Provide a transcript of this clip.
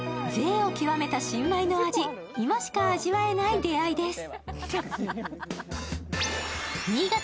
いを極めた新米の味、今しか味わえない出会いです。